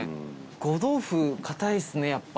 呉豆腐、堅いですね、やっぱ。